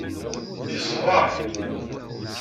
Yeṣber.